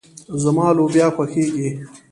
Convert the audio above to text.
زما لوبيا خوښيږي.